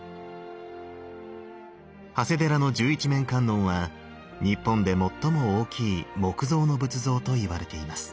長谷寺の十一面観音は日本で最も大きい木造の仏像といわれています。